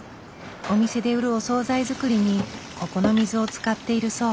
お店で売るお総菜作りにここの水を使っているそう。